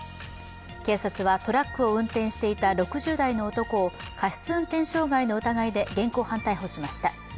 警察はトラックを運転していた６０代の男を過失運転傷害の疑いで現行犯逮捕しました。